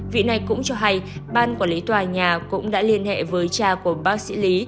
vị này cũng cho hay ban quản lý tòa nhà cũng đã liên hệ với cha của bác sĩ lý